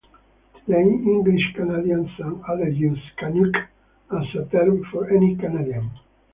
Today, English Canadians and others use "Canuck" as a term for any Canadian.